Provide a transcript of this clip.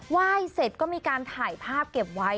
ยเสร็จก็มีการถ่ายภาพเก็บไว้